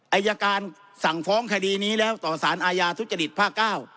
อายการสั่งฟ้องคดีนี้แล้วต่อสารอาญาทุจริตภาคเก้า